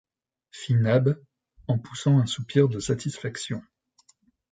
fit Nab, en poussant un soupir de satisfaction